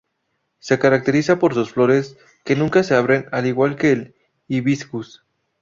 Se caracteriza por sus flores que nunca se abren al igual que el "Hibiscus".